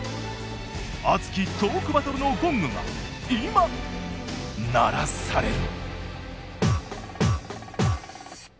熱きトークバトルのゴングが今鳴らされる！